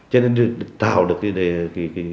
cho nên tạo được cái